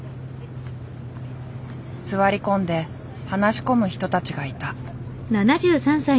座り込んで話し込む人たちがいた。